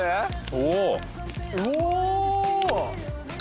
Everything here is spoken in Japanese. おお！